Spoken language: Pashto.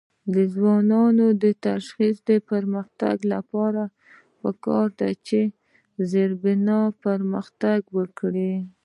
د ځوانانو د شخصي پرمختګ لپاره پکار ده چې زیربنا پرمختګ ورکړي.